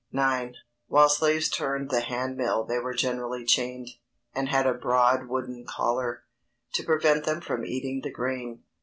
IX. _While slaves turned the hand mill they were generally chained, and had a broad wooden collar, to prevent them from eating the grain.